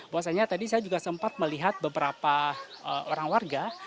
bahwasannya tadi saya juga sempat melihat beberapa orang warga